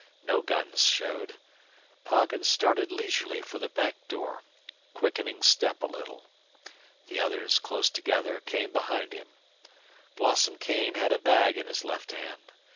No guns showed. Poggin started leisurely for the bank door, quickening step a little. The others, close together, came behind him. Blossom Kane had a bag in his left hand.